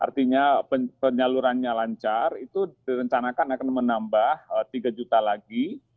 artinya penyalurannya lancar itu direncanakan akan menambah tiga juta lagi